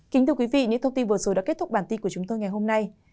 kính thưa quý vị những thông tin vừa rồi đã kết thúc bản tin của chúng tôi ngày hôm nay